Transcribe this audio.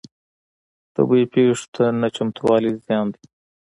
طبیعي پیښو ته نه چمتووالی زیان دی.